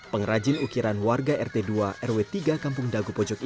pengrajin ukiran warga rt dua rw tiga kampung dagupojo kampung